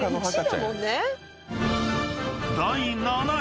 ［第７位］